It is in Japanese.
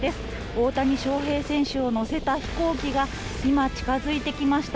大谷翔平選手を乗せた飛行機が今、近づいてきました。